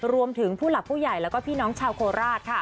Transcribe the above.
รวมถึงผู้หลักผู้ใหญ่แล้วก็พี่น้องชาวโขระศ